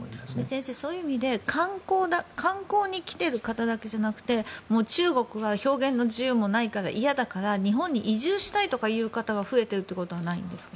先生、そういう意味で観光に来ている方だけじゃなくて中国は表現の自由もないから嫌だから日本に移住したいという方が増えているわけではないんですか。